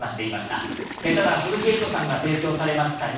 ただ、鈴木エイトさんが提供されました